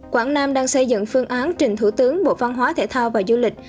quảng nam đang xây dựng phương án trình thủ tướng bộ văn hóa thể thao và du lịch